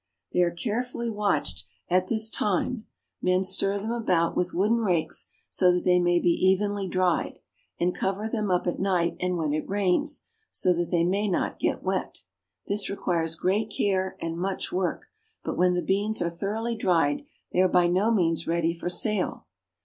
They are carefully watched at this 266 BRAZIL. time. Men stir them about with wooden rakes, so that they may be evenly dried, and cover them up at night and when it rains, so that they may not get wet. This requires great care and much work, but when the beans are thoroughly dried they are by no means ready for sale.